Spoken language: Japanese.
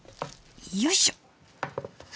よいしょ！